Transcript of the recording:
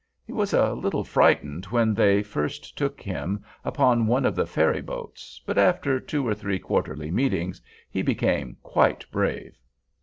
He was a little frightened when they first took him upon one of the ferry boats, but after two or three quarterly meetings he became quite brave.